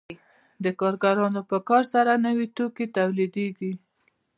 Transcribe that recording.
د کارګرانو په کار سره نوي توکي تولیدېږي